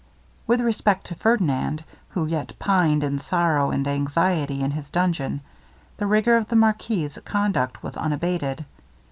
With respect to Ferdinand, who yet pined in sorrow and anxiety in his dungeon, the rigour of the marquis's conduct was unabated.